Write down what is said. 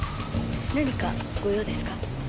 何かご用ですか？